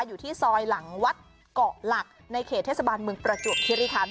อยู่ที่ซอยหลังวัดเกาะหลักในเขตเทศบาลเมืองประจวบคิริคัน